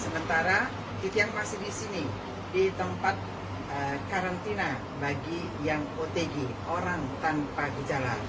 bagi yang otg orang tanpa gejala